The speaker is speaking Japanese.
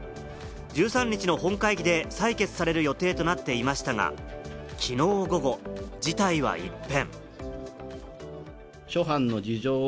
１３日の本会議で採決される予定となっていましたが、きのう午後、事態は一変。